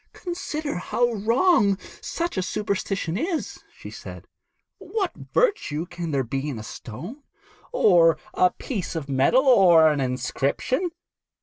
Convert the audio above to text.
'Consider how wrong such a superstition is,' she said. 'What virtue can there be in a stone, or a piece of metal, or an inscription?